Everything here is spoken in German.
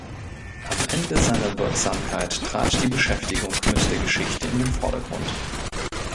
Am Ende seiner Wirksamkeit trat die Beschäftigung mit der Geschichte in den Vordergrund.